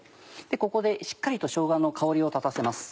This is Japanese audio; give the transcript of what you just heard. ここでしっかりとしょうがの香りを立たせます。